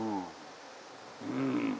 うん。